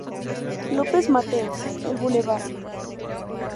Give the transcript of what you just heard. López Mateos, el Blvd.